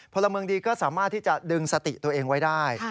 พลเมืองดีก็สามารถที่จะดึงสติตัวเองไว้ได้